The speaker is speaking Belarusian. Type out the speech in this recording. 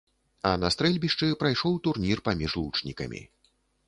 А на стрэльбішчы прайшоў турнір паміж лучнікамі.